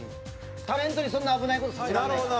タレントにそんな危ない事させられないって。